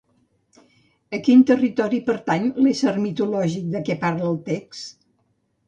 A quin territori pertany l'ésser mitològic de què parla el text?